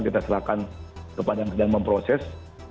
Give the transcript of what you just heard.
silakan ke tempat yang sedang memproses